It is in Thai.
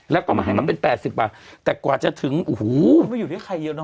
แล้วก็หมายถึงมันเป็นแปดสิบบาทแต่กว่าจะถึงอูหูไม่อยู่ด้วยใครเยอะน่ะ